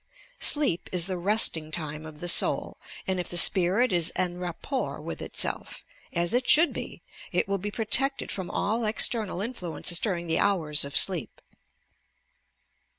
Sleep is the " resting time of the soul," and if the spirit is en rapport with itself, as it should be, it will be protected from all external influences during the hours of sleep.